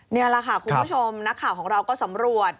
นี่แหละค่ะคุณผู้ชมนักข่าวของเราก็สำรวจ